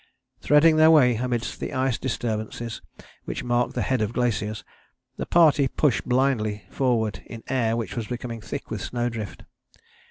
Threading their way amidst the ice disturbances which mark the head of the glaciers, the party pushed blindly forward in air which was becoming thick with snow drift.